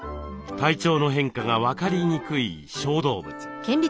体調の変化が分かりにくい小動物。